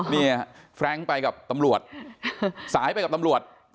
เนี่ยแฟรงค์ไปกับตำรวจสายไปกับตำรวจ